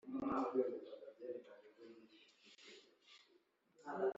igihugu mu nama ya mbere yabereye mu karere ka bugesera byaranzuwe